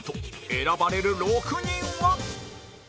選ばれる６人は？